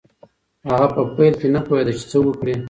هغه په پیل کې نه پوهېده چې څه وکړي.